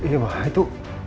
iya mbak itu